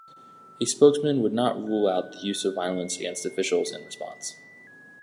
A spokesman would not rule out the use of violence against officials in response.